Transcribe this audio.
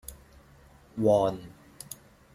วอน